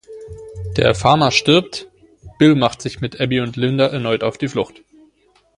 Der Farmer stirbt, Bill macht sich mit Abby und Linda erneut auf die Flucht.